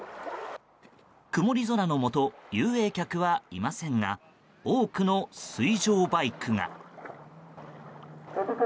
曇り空のもと遊泳客はいませんが多くの水上バイクが。